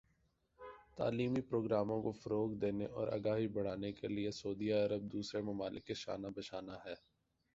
تعلیمی پروگراموں کو فروغ دینے اور آگاہی بڑھانے کے لئے سعودی عرب دوسرے ممالک کے شانہ بشانہ ہے